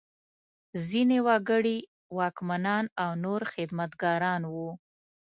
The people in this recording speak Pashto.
ځینې وګړي واکمنان او نور خدمتګاران وو.